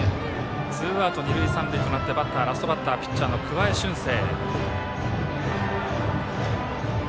ツーアウト二塁三塁となりラストバッターはピッチャーの桑江駿成。